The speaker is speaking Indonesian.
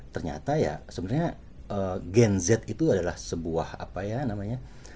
ternyata ya sebenarnya gen z itu adalah sebuah apa ya namanya